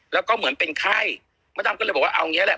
แล้วก็เหมือนเป็นไข้มะดำก็เลยบอกว่าเอาอย่างเงี้แหละ